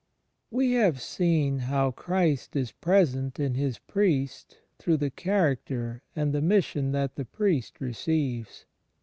We have seen how Christ is present in His Priest through the "character" and the mission that the priest receives.